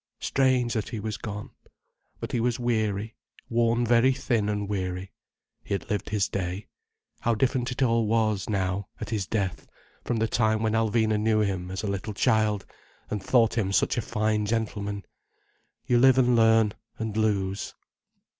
Strange, that he was gone. But he was weary, worn very thin and weary. He had lived his day. How different it all was, now, at his death, from the time when Alvina knew him as a little child and thought him such a fine gentleman. You live and learn and lose.